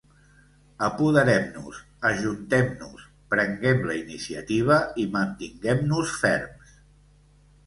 Apoderem-nos, ajuntem-nos, prenguem la iniciativa i mantinguem-nos ferms.